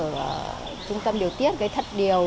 ở trung tâm điều tiết gây thật điều